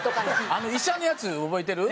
医者のやつ覚えてる？